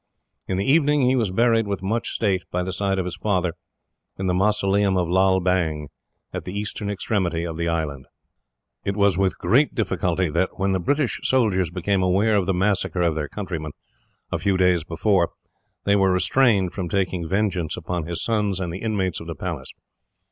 In the evening he was buried with much state, by the side of his father, in the mausoleum of Lal Bang, at the eastern extremity of the island. It was with great difficulty that, when the British soldiers became aware of the massacre of their countrymen, a few days before, they were restrained from taking vengeance upon his sons and the inmates of the Palace.